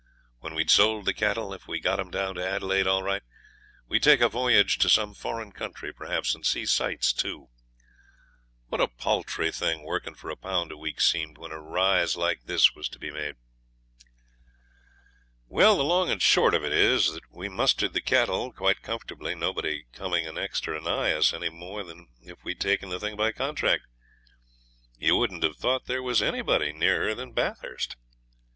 When we'd sold the cattle, if we got 'em down to Adelaide all right, we'd take a voyage to some foreign country, perhaps, and see sights too. What a paltry thing working for a pound a week seemed when a rise like this was to be made! Well, the long and short of it is that we mustered the cattle quite comfortably, nobody coming anext or anigh us any more than if we'd taken the thing by contract. You wouldn't have thought there was anybody nearer than Bathurst.